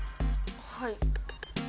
はい。